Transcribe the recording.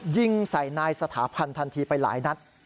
ยิงใส่นายสถาพันธ์ทันทีไปหลายนัด